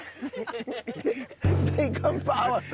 大寒波合わせ？